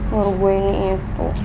menurut gue ini itu